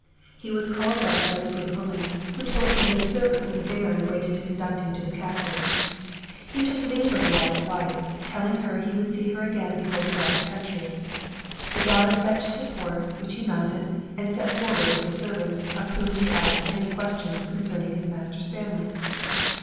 He was soon called back by the good woman, who told him that a servant from the Baron waited to conduct him to the Castle. He took leave of Wyatt's wife, telling her he would see her again before he left the country. The daughter fetched his horse, which he mounted, and set forward with the servant, of whom he asked many questions concerning his master's family.